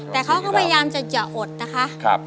แต่เขาก็พยายามจะอย่าอดนะคะ